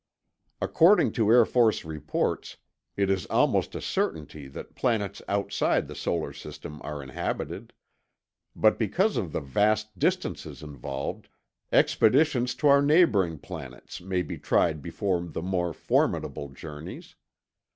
According to Air Force reports, it is almost a certainty that planets outside the solar system are inhabited. But because of the vast distances involved, expeditions to our neighboring planets may be tried before the more formidable journeys.